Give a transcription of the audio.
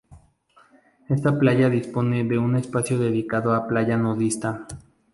Esta playa dispone de un espacio dedicado a playa nudista.